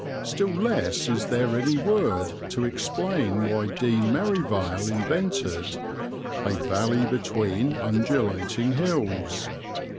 Still less is there any word to explain why Dean Merivale invented "a valley between undulating hills."